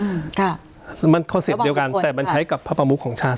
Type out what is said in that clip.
อืมค่ะมันเขาเสียบเดียวกันแต่มันใช้กับภาพประมุขของชาติ